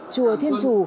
chùa thiên chủ